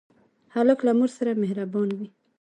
هلک له مور سره مهربان وي.